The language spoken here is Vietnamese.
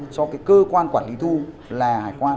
cho cái cơ quan quản lý thu là hải quan